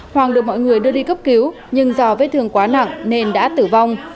hoàng được mọi người đưa đi cấp cứu nhưng do vết thương quá nặng nên đã tử vong